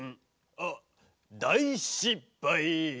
あだいしっぱい。